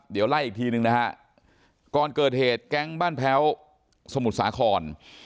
เดี๋ยวไล่อีกทีนึงนะฮะก่อนเกิดเหตุแก๊งบ้านแพ้วสมุทรสาคร